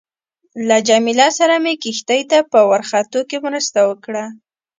له جميله سره مې کښتۍ ته په ورختو کې مرسته وکړه.